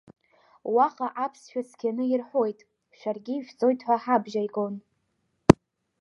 Уаҟа аԥсшәа цқьаны ирҳәоит шәаргьы ишәҵоит ҳәа ҳабжьигон.